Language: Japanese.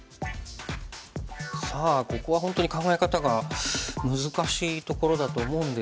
さあここは本当に考え方が難しいところだと思うんですが。